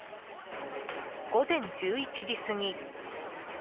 午前１１時過ぎ。